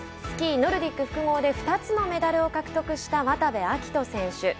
スキーノルディック複合で２つのメダルを獲得した渡部暁斗選手。